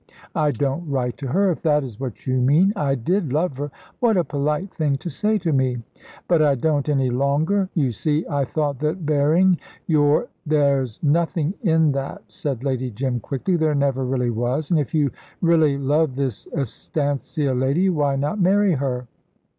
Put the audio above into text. "I don't write to her, if that is what you mean. I did love her " "What a polite thing to say to me!" "But I don't any longer. You see, I thought that Berring your " "There's nothing in that," said Lady Jim, quickly. "There never really was, and if you really love this estancia lady, why not marry her?"